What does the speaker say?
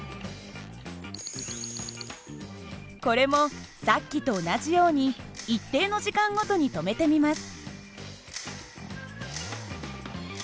これもさっきと同じように一定の時間ごとに止めてみます。